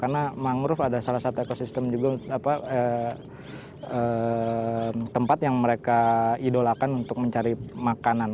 karena mangrove ada salah satu ekosistem juga tempat yang mereka idolakan untuk mencari makanan